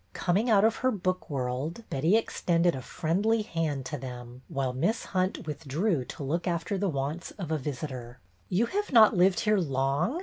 Coming out of her book world, Betty extended a friendly hand to them, while Miss Hunt withdrew to look after the wants of a visitor. '' You have not lived here long?